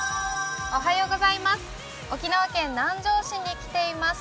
沖縄県南城市に来ています。